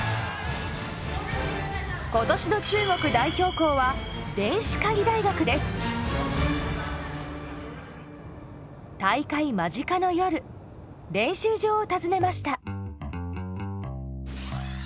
今年の中国代表校は大会間近の夜練習場を訪ねました。